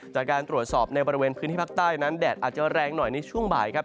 จากการตรวจสอบในบริเวณพื้นที่ภาคใต้นั้นแดดอาจจะแรงหน่อยในช่วงบ่ายครับ